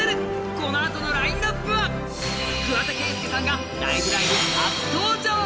このあとのラインナップは桑田佳祐さんが「ライブ！ライブ！」初登場！